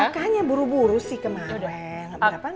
makanya buru buru sih kemarin